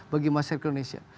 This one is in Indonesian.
bagi masyarakat indonesia